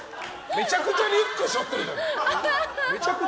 めちゃくちゃリュック背負ってるじゃん。